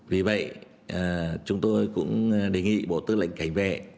vì vậy chúng tôi cũng đề nghị bộ tư lệnh cảnh vệ